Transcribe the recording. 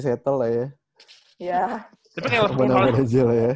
mudah mudahan masih settle lah ya